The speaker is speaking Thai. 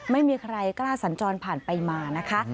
ไม่มีใครกล้าสัญจรผ่านไปมานะคะ